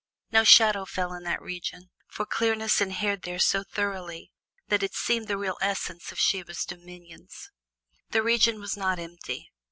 No shadow fell in that region, for clearness inhered there so thoroughly that it seemed the real essence of Siva's dominions. The region was not empty.